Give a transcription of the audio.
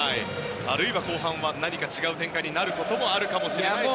あるいは後半は何か違う展開になるかもしれないと。